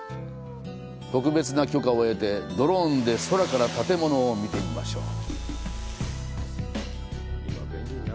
特別な許可を得て、ドローンで空から建物を見てみます。